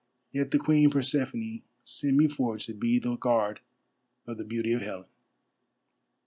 Yet the Queen Persephone sent me forth to be the guard of the beauty of Helen."